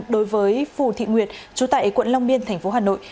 đối với phù thị nguyệt chú tại quận long biên tp hà nội